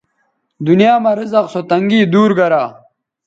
دنیاں مہ رزق سو تنگی دور گرا